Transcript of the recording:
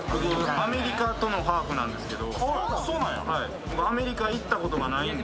アメリカとのハーフなんですけど。